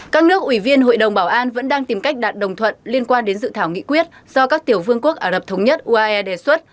các nước ủy viên hội đồng bảo an vẫn đang tìm cách đạt đồng thuận liên quan đến dự thảo nghị quyết do các tiểu vương quốc ả rập thống nhất uae đề xuất